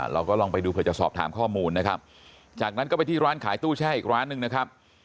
ลองไปดูเผื่อจะสอบถามข้อมูลนะครับจากนั้นก็ไปที่ร้านขายตู้แช่อีกร้านหนึ่งนะครับ